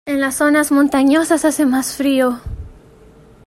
En las zonas montañosas hace más frío.